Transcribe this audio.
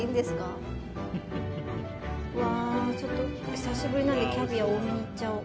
久しぶりなのでキャビア多めにいっちゃおう。